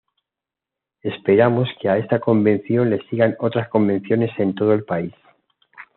Esperamos que a esta Convención le sigan otras convenciones en todo el país.